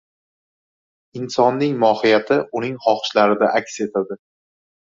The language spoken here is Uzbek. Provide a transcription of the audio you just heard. Insonning mohiyati uning xohishlarida aks etadi.